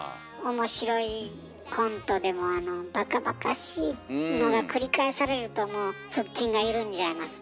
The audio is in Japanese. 面白いコントでもバカバカしいのが繰り返されるともう腹筋が緩んじゃいますね。